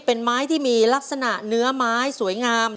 เป็นไม้ที่มีลักษณะเนื้อไม้สวยงาม